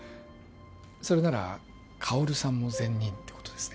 それなら薫さんも善人ってことですね